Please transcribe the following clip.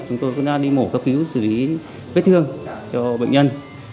chúng tôi cũng đã đi mổ cấp cứu xử lý vết thương cho bệnh nhân